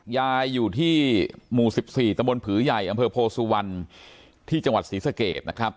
อยู่ที่หมู่๑๔ตะบนผือใหญ่อำเภอโพสุวรรณที่จังหวัดศรีสเกตนะครับ